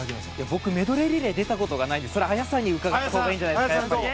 僕、メドレーリレー出たことがないので綾さんに伺ったほうがいいんじゃないですかね。